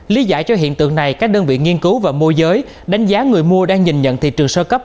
lý giải cho hiện tượng này các đơn vị nghiên cứu và môi giới đánh giá người mua đang nhìn nhận thị trường sơ cấp